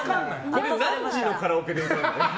これ何時のカラオケで歌うの？